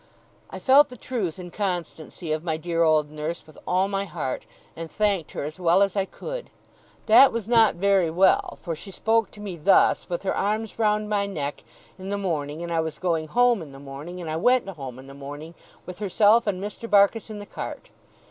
I felt the truth and constancy of my dear old nurse, with all my heart, and thanked her as well as I could. That was not very well, for she spoke to me thus, with her arms round my neck, in the morning, and I was going home in the morning, and I went home in the morning, with herself and Mr. Barkis in the cart.